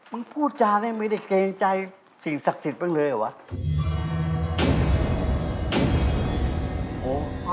มันพูดจาได้ไม่ได้เกรงใจสิ่งศักดิ์สิทธิ์บ้างเลยเหรอวะ